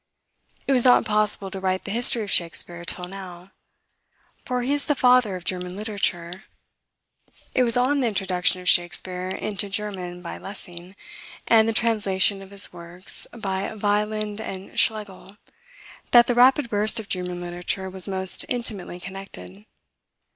It was not possible to write the history of Shakspeare till now; for he is the father of German literature: it was on the introduction of Shakspeare into German by Lessing, and the translation of his works by Wieland and Schlegel, that the rapid burst of German literature was most intimately connected.